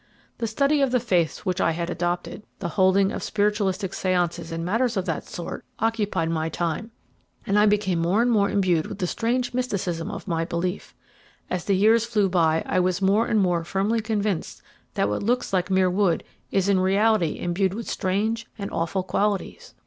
The study of the faith which I had adopted, the holding of spiritualistic séances and matters of that sort, occupied my time, and I became more and more imbued with the strange mysticism of my belief. As the years flew by I was more and more firmly convinced that what looks like mere wood is in reality imbued with strange and awful qualities.